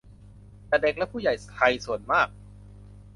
แต่เด็กและผู้ใหญ่ไทยส่วนมาก